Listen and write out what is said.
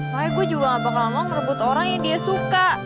makanya gue juga gak bakal mau merebut orang yang dia suka